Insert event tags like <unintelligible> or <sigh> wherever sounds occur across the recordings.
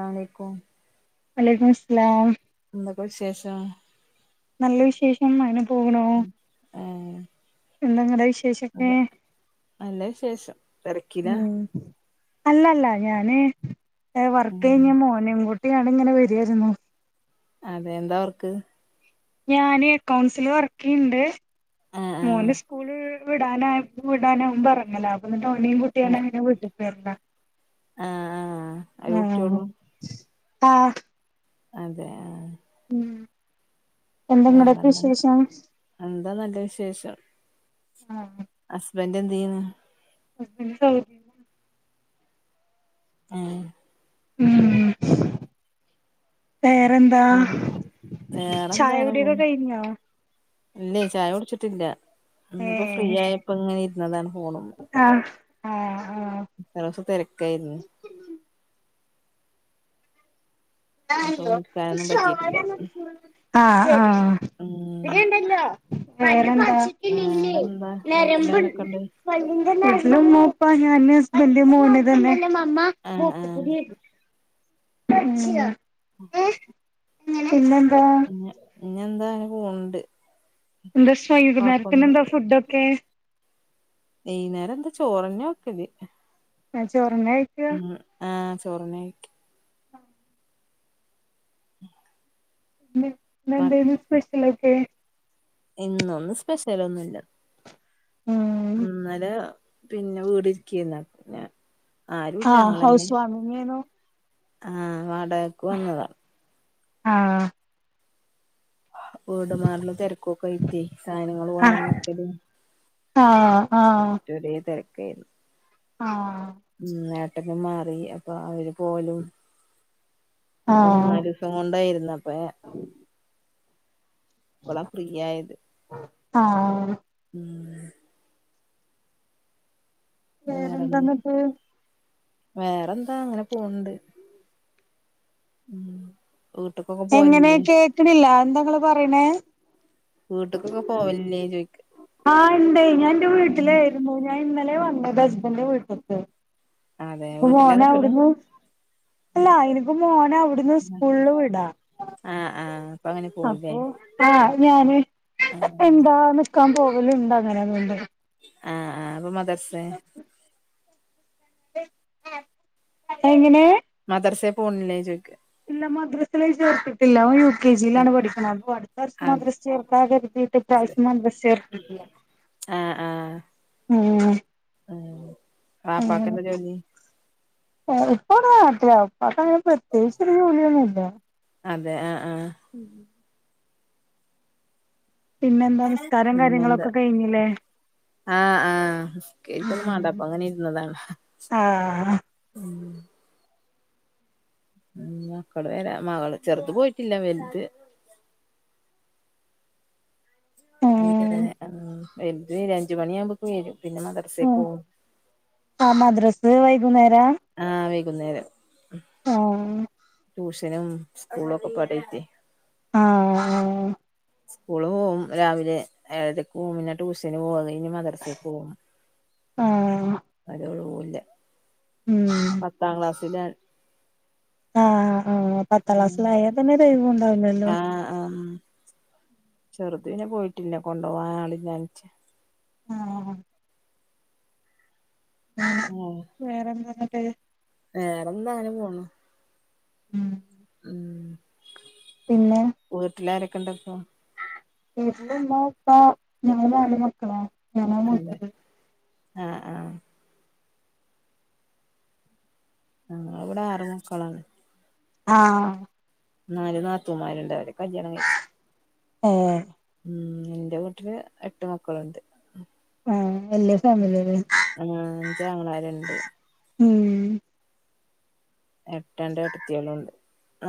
ആലെക്കും വലൈക്കുംസലാം എന്തൊക്കെ വിശേഷം നല്ല വിശേഷം അങ്ങിനെ പോണു ആഹ് എന്തങ്ങടെ വിശേഷൊക്കെ നല്ല വിശേഷം തിരക്കില ഉം അല്ലല്ല ഞാന് വർക്ക് ഉം കഴിഞ്ഞ് മോനെകൂട്ടികാട് ങ്ങനെ വരിര്ന്ന് അതെ എന്തവർക്ക് ഞാന് എക്കൗൺസില് വർക്കയ്ണ്ട് ആ ആ മോന് സ്കൂള് വിടാനയപ വിടാനാകുപോഎറങ്ങല അപ്പോന്നിട്ട് അതെ കുട്ടിഅങ്ങന പിന്നെ വീട്ട്ക് വരല്ല ആ ആ ഒരു ആഹ് കുട്ടിയോളൂ ആഹ് അതെ ആഹ് ഉം എന്താ ഇങ്ങടക്കെ വേറെന്താ വിശേഷം എന്താ നല്ല വിശേഷം ആഹ് ഹസ്ബന്റ് എന്ത‌യുന്നു ഉം ആഹ് ഉം വേറെന്താ വേറെ ചായകുടിക്കെ കയിനോ ഇല്ലയ്ചായ കുടിച്ചിട്ടില്ല ഇന്നിപ്പോ ഫ്രീ ഏഹ് ആയപ്പോങ്ങനെ ഇരുന്നതാണ് ഫോണ് മേ ആഹ് ന്ന്ലേസം തിരക്കാരുന്നു ആഹ് അപ്പൊ എന്താ റിയോ വിളിക്കാനൊന്നും പറ്റിയിട്ടില്ല ഉം <unintelligible> ആഹ് ആവേറെന്താ വേറെന്താ വീട്ടിലാരൊക്കെണ്ട് വീട്ടില് ഇമ്മ ഇപ്പ ഞാന് ഹസ്ബന്റ് മോന് തന്നെ ആഹ് ആഹ് ഉം ഉം പിന്നെന്താ പിന്നെ പിന്നെന്താ അങ്ങനെ പോണണ്ട് എന്താ സൈകുന്നേരത്തിന് എന്താ ഫുഡൊക്കെ? വൈന്നേരം എന്താ ചോറന്നെ വെക്കല് ആഹ് ചോറന്നെ വെയ് ഉം ആഹ് ചോറന്നേ ആഹ ഉ ങ്‌ഹ് ഇന്ന് എന്തേയ്രുന്നു സ്പെഷ്യലോക്കെ? ഇന്നൊന്ന് സ്പെഷ്യലന്നുല്ല ഉം ഇന്നലെ പിന്നെ വീടിരിക്കേർന്ന് <inaudible> ആരൂല്ല. ആഹ് ഞങ്ങളന്നെ ഹൗസ് വാമിങ്ങേനു ആഹ് വാടകക്ക് വന്നതാ ആഹ് വീട്മാറളും തെരക്കൊക്കായിട്ടേ സായനങ്ങള് ആഹ് കൊണ്ടോന്നക്കലും ആഹ് ആഹ് ഒറ്റ ഒരേ തെരക്കായിരുന്നു ആഹ് ഉം നേട്ടോക്കേ മാറി അപ്പോ അവര് പോവലും ഒക്കെ ആഹ് മൂന്നാലു തോണ്ടായിരുന്നപ്പേ ഇപ്പളാ ഫ്രീയായത്. ആഹ് ഉം വേറെന്ന് വേറെന്താന്നിട്ട് വേറെന്താ ഇങ്ങനെ പോണ് ണ്ട്. ഉം വീട്ട്ക്കൊ എങ്ങനെ കേക്ക്ണില്ല. എന്താ ഇങ്ങള് പറയ്ണ്? വീട്ട്ക്കൊക്കെ പോവലില്ലേ ചോയ്ക്കാ ആഹ് ഇണ്ട് ഞാൻ ഇന്റെ വീട്ടിലായിയിരുന്നു. ഞാൻ ഇന്നലെ വന്നത് ഹസ്ബന്റെ വീട്ട്ക്ക്. അതെ പ്പോ വീട്ടിലാ നിക്ക്ണ് മോനവുട്ന്ന് അല്ലാ എനിക്ക് മോന അവു ടിന്ന് സ്കൂള്ല് വിടാ. ആഹ് ആഹ് അപ്പൊ അങ്ങനെ പോവുല്ലേ അപ്പോ ആഹ് ഞാന് ആഹ് എന്താ നിക്കാം പോവല്ണ്ട് അങ്ങനങ്ങ്‌ട് ആഹ് ആഹ് അപ്പോ മദർ എങ്ങനേ? മദർസേ പോൺല്ലേ ചോയ്ക്ക ഇല്ല മദ്രസ്സല് ചേർത്ത് ഇല്ല ഓൻ യു കെ ജി യിലാണ് പഠിക്ക്ണ് അപ്പോഅടുത്ത വർഷം മദ്രസ്സേ ചേർക്കാ കരുതിട്ട് അത് ഇപ്രാവിശ്യം മദ്രസ്സേ ചേർത്തി ഉം ഉം ഉം ആഹ് ഇപ്പ ഒക്കെ നാട്ടിലാ. ഉപ്പാക്കങ്ങനെ പ്രത്യേകിച്ച് ഒരു ജോലിയൊന്നുല്ല അതെ ആഹ് ആഹ് ഉം പിന്നെന്താ നിസ്കാരം പിന്നെന്താ കാര്യങ്ങളൊക്കെ കഴിഞ്ഞില്ലേ? ആഹ് ആഹ് നിസ്കേരിക്കൊന്നും ഉം മാണ്ടപ്പോ അങ്ങനെ ഇരുന്നതാണ് ആഹ് ഉം ഉം <unintelligible> മകള് ചെറുത് പോയിട്ടില്ല വെൽത് ഉം <unintelligible> ഉം വെൽത് അഞ്ച് മണിയാകുമ്പക്ക് വെരും പിന്നെ മദറസേക്ക് ഉം പോവും. ആഹ് മദ്രസ് വൈകുന്നേരാ? ആഹ് വൈകുന്നേരം ഉം ആഹ് ട്യൂഷനും സ്കൂളും ഒക്കെപ്പാടേയ്റ്റേ ആഹ് സ്കൂള് പൂവും രാവിലെ ഏഴരയ്ക്ക് പൂവും. പിന്നേ ട്യൂഷ്യന് പൂവും. അതുകഴിഞ്ഞ് മദരസേക്ക് പൂവും ആഹ് അതോള് പൂവുല്ല. ഉം പത്താം ക്ലാസ്സിലാണ് ആഹ് ആഹ് പത്താം ക്ലാസ്സിലായാൽ പിന്നെ ദൈവം ഉണ്ടാവില്ലല്ലോ ആഹ് ആഹ് ചെറുത് പിന്നെ പോയിട്ടില്ല കൊണ്ടോവാൻ ആളില്ലാഞ്ഞിട്ട് ആഹ് <unintelligible> ഉം വേറെന്താ എന്നിട്ട് വേറെന്താ അങ്ങനെ പോണു ഉം ഉം പിന്നെ വീട്ടിലാരൊക്കെ ഉണ്ടിപ്പോ വീട്ടിൽ ഇന്ന് ഇപ്പോ ഞങ്ങള് നാല് മക്കള ഞങ്ങ അതെ ആഹ് ആഹ് ആഹ് ഇവിടെ ആറുമക്കളാണ് ആഹ് നാല് നാത്തൂമാരുണ്ട് അവര് കല്യാണം കഴിച്ചു ഏഹ് ഉം എന്റെ വീട്ടില് എട്ട് മക്കളുണ്ട് ആഹ് വല്യ ഫാമിലിയല്ലേ അഞ്ച് ആങ്ങളമാരുണ്ട് ഉം ഏട്ടൻ്റെ ഏട്ടത്തികളുണ്ട്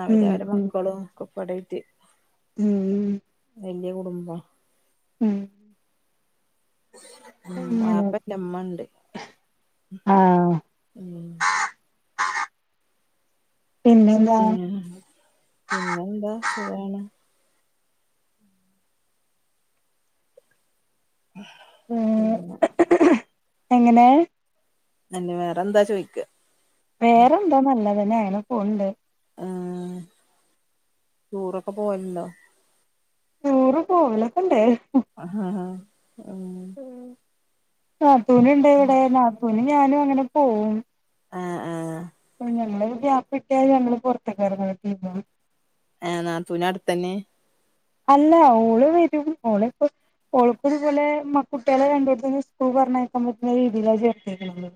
അവര് ഉം അവര ഉം മക്കളും ഒക്കപാടായിട്ട് ഉം വല്യ കുടുംബ ഉം ഉം അങ്ങനെ ബാപ്പയില്ല ഉമ്മ ഒണ്ട് ആഹ് ഉം പിന്നെന്താ ഉം പിന്നെന്താ സുഖാണോ ഉം ഏഹ് പിന്ന എങ്ങനെ ന്നന്നെ വേറെന്താ ചോദിക്ക വേറെന്താ നല്ലതന്നെ അങ്ങനെ പോവ്ണ്ട് ആഹ് ടൂറൊക്കെ പോവല്ണ്ടോ ടൂറ് പോവലൊക്കണ്ട് ആഹ് ഉം നാത്തൂന്ണ്ട് ഇവടെ നാത്തൂനും ഞാനും അങ്ങനെ പോവും ആഹ് ആഹ് ഉം ഞങ്ങളൊന്ന് ഗ്യാപ്പ്ട്ടിയാല് ഞങ്ങള് പൊറത്ത് <unintelligible> ഏഹ് നാൻ തുനാടു തന്നേ അല്ല ഓള് വരും ഓളെ ഇപ്പോ ഓള്പ്പം ഇത് പോലെ മ കുട്ടിയളെ രണ്ടോട്ത്ത്ന്നും സ്കൂൾ പറഞ്ഞയക്കാൻ പറ്റിയ രീതിയിലാ ചേർത്തിയത് ഇവള്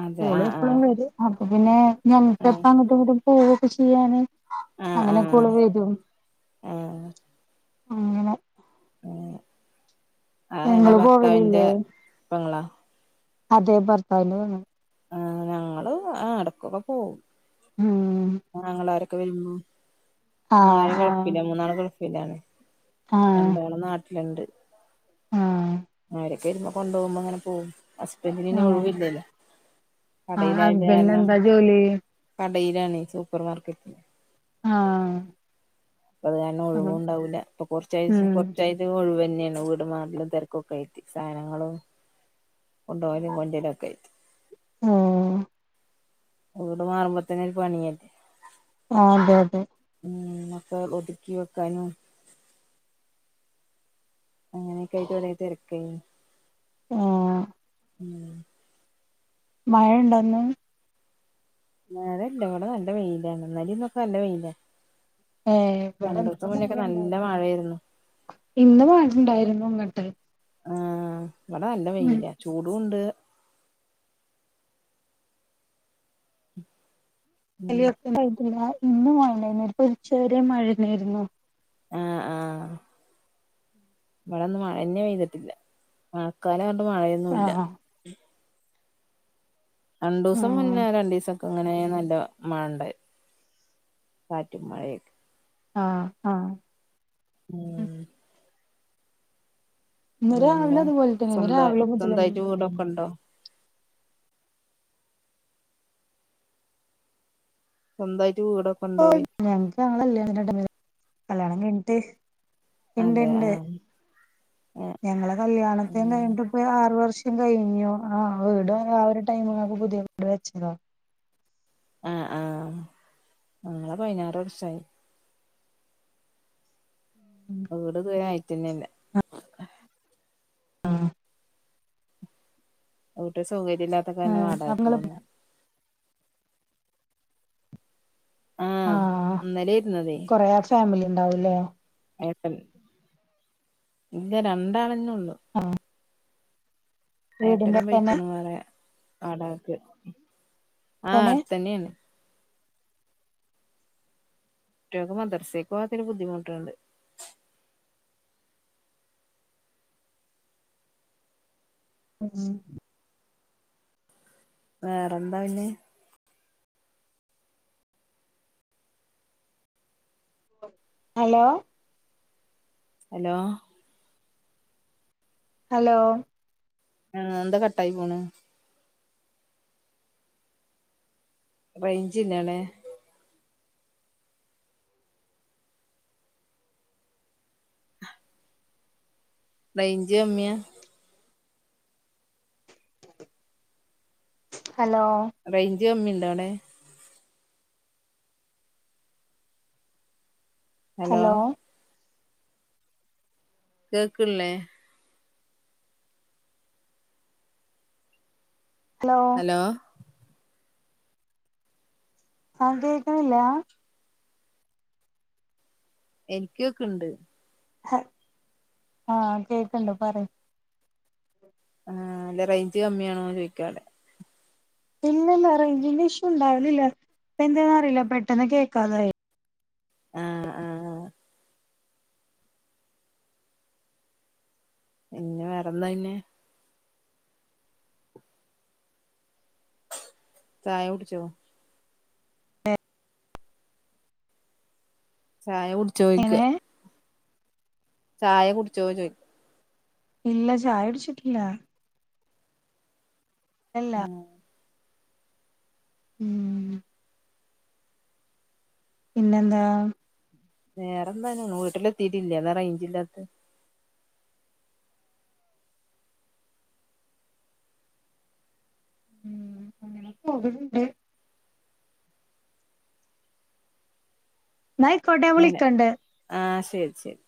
അതെ ഓള് ആഹ് എപ്പളും വരും അപ്പൊ പിന്നെ ഞങ്ങക്ക്പ്പ ആഹ് അങ്ങട്ടും ഇങ്ങട്ടും പോവൊക്കെ ചെയ്യാന് ആഹ് ആഹ് അങ്ങനൊക്ക ആഹ് ഓള് വരും ആഹ് അങ്ങനെ ഏഹ് അങ്ങനെ ഞങ്ങള് ഭർത്താവിന്റെ പോവലില്ലേ പെങ്ങളാ അതെ ഭർത്താവ്ന്റെ പെങ്ങള് ആഹ് ഞങ്ങള് ആഹ് എടക്കൊക്കെ പോവും ഉം ആങ്ങളാരൊക്കെ വെരുമ്പോ ആങ്ങളാര് ആഹ് ആഹ് ഗൾഫിലാ മൂന്നാള് ഗൾ ഫിലാണ് ആഹ് രണ്ടാള് നാ ട്ടില്ണ്ട് ആഹ് അവരൊക്കെ വെരുമ്പോ കൊണ്ടോവുമ്പം അങ്ങനെ പോവും ഹസ്ബന്റിന് പിന്നെ ആഹ് ഒഴിവില്ലല്ലൊ ആഹ് കടയിലായത് ഹസ്ബൻഡിന് കാരണം എന്താ ജോലി കടയിലാണെ സൂപ്പർ മാർക്കറ്റ്ല് ആഹ അപ്പ അത് കാരണം ഒഴിവും ഉണ്ടാവൂല്ല അപ്പൊ കൊറച്ചയ്സം ഉം കൊറച്ചയ് ഒഴിവു തന്നെയാണ് വീട്മാറലും തിരക്കൊക്കെ യിട്ട് സാധനങ്ങളും കൊണ്ടോവലും കൊണ്ടിര്ലും ഒക്കെ ആയി ഉം വീട് മാറുമ്പോത്തന്നെ ഒരു പണിയല്ലേ ആ അതെ അതെ ഉം മക്കൾ ഒതുക്കി വെക്കാനും. അങ്ങനെയൊക്കെ ആയിട്ട് ഒരേ തെരക്കയ്നി ഉം ഉം മഴ ഉണ്ടോന്ന്? മഴ ഇല്ല ഇവിടെ നല്ല വെയിൽ ആണ് ഇന്നലെന്നൊക്കെ നല്ല വെയിലാ ഏ രണ്ടൂസം മുന്നൊക്കെ നല്ല <unintelligible> മഴയായിരുന്നു ഇന്ന് പണി ഉണ്ടായിരുന്നു ഇങ്ങട്ട് ആഹ ഇവിടെ നല്ല ഉം വെയില ചൂടുണ്ട് <inaudible> <unintelligible> ഇന്ന് മഴയുണ്ടെനു ഇപ്പ ഉച്ച വരെ മഴണ്ടായിരുന്നു. ആഹ് ആഹ ഇവിടെന്നും മഴ തന്നെ പെയ്തിട്ടില്ല. മഴക്കാല പറഞ്ഞാണ്ട് മഴയൊന്നുല്ല ആഹ് രണ്ടൂസം ആഹ് മുന്നേ രണ്ടീസം ഇങ്ങനെ ന്നല്ല മാണ്ടെ കാറ്റും മഴയൊക്കെ ആഹ ആഹ ഉം ഇന്ന് രാവിലെ പിന്നെന്താ അതുപോലെ തന്നെ ഇന്ന് സ്വന്ത രാവിലെ മുതലെന്നെ സ്വന്തയിട്ട് മഴന്നെ വീടൊക്കെ ഉണ്ടോ? സ്വന്തായിട്ട് വീട ഓ ഞങ്ങക്ക് <unintelligible> കല്യാണം കഴിഞ്ഞിട്ട് അതെ ഇണ്ട്ണ്ട് ആഹ് ഞങ്ങള കല്യാണം കല്യാണം കഴിഞ്ഞിട്ട് ഇപ്പൊ ആറു വർഷം കഴിഞ്ഞു ആ വീട് ആ ഒരു ടൈമിൽ പുതിയ വീട് വെച്ചതാ. ആഹ ആഹ ഞങ്ങൾ പൈനാറ് വർഷായി. വീട് ഇതുവരെആയിട്ടന്നെല്ല ആ വീട്ടിൽ സൗകര്യ ഇല്ലാത്ത കാരണം ഉം അപ്പ വാടകക്ക് ഇങ്ങള് പോന്ന ആഹ് ആഹ ഇന്നലെ ഇരുന്നതേ കൊറേ ഫാമിലി ഉണ്ടാവൂല്ലേ ഏട്ടൻ ഇല്ല രണ്ടാളന്നെ ഒള്ളു ആഹ ഏട്ടനും തന്നെ പൈക്കുണു വേറെ വാടകക്ക് ആഹ തന്നെ അട് തന്നെയാണ് കുട്ടികൾക്ക് മദർസയ്ക്ക് പോവാത്തേന് ബുദ്ധിമുട്ടുണ്ട്. ഉം വേറെന്താ പിന്നെ ഹലോ ഹലോ ഹലോ ആഹ എന്താ കട്ടായി പോണെ റേയ്ഞ്ച് ഇല്ലാടെ <inaudible> റേഞ്ച് കമ്മിയ ഹലോ റേഞ്ച് കമ്മിയുണ്ടോ ആടെ? ഹലോ കേൾക്ക്ല്ലേ? ഹലോ ആഹ് കേൾക്ക്ണില്ലാ എനിക്കൊക്കെ ഇണ്ട് ആഹ് കേക്ക്ണ്ട് പറയ് ആഹ് അന്റെ റേഞ്ച് കമ്മിയാണോന്ന് ചോദിക്കാല്ലെ ഇല്ലല്ല റേഞ്ചിന്റെ ഇഷ്യൂ ഉണ്ടാരുന്നില്ല എന്താന്നെന്നറിയില്ല പെട്ടെന്ന് കേൾക്കാണ്ടായി ആഹ് ആഹ് ആ പിന്നെ വേറെ എന്താ പിന്നെ ചായ കുടിച്ചോ ചായ കുടിച്ചോയ്ക്ക എങ്ങനെ ചായ കുടിച്ചോ ചോയ്ക ഇല്ല ചായുടിച്ചിട്ടില്ല ഇല്ലാ ആഹ് ഉം പിന്നെന്താ വേറെന്താണ് വീട്ടിലെത്തിട്ടില്ലാ അതാ റേഞ്ചില്ലാത്ത ആഹ് അങ്ങനെ പോവ്ന്ന്ണ്ട് ന്നായിക്കോട്ടെ ഞാ വിളിക്കണ്ട് ആഹ് ശരി ശരി